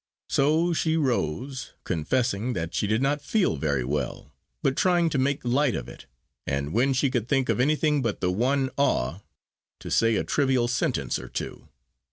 So she rose, confessing that she did not feel very well, but trying to make light of it, and when she could think of anything but the one awe, to say a trivial sentence or two.